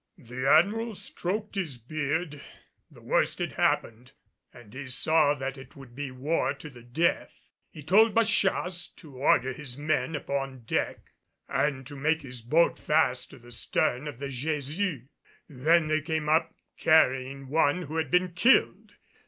The Admiral stroked his beard. The worst had happened and he saw that it would be war to the death. He told Bachasse to order his men upon deck and to make his boat fast to the stern of the Jesus. Then they came up carrying one who had been killed.